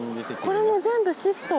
これも全部シスト？